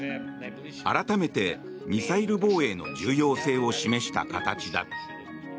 改めてミサイル防衛の重要性を示した形だ。